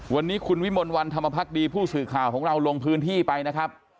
วันนี้คุณวิมลวันธรรมพักดีผู้สื่อข่าวของเราลงพื้นที่ไปนะครับ